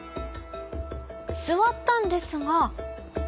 座ったんですが。